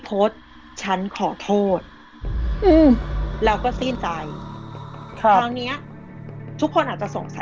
โพสต์ฉันขอโทษอืมแล้วก็สิ้นใจครับคราวเนี้ยทุกคนอาจจะสงสัย